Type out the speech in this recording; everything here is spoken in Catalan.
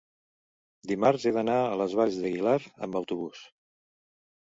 dimarts he d'anar a les Valls d'Aguilar amb autobús.